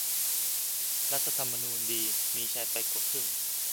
"รัฐธรรมนูญดี มีชัย ไปกว่าครึ่ง"